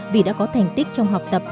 vì đã có thành tích trong học tập